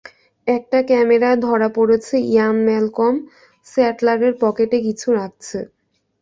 একটা ক্যামেরায় ধরা পড়েছে ইয়ান ম্যালকম, স্যাটলারের পকেটে কিছু রাখছে।